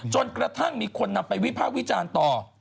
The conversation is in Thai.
จนกระทั่งมีคนนำไปวิภาควิจารณ์ต่อ